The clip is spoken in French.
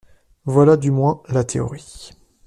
Voilà du moins la théorie.